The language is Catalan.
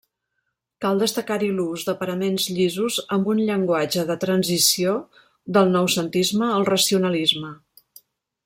Cal destacar-hi l'ús de paraments llisos, amb un llenguatge de transició del noucentisme al racionalisme.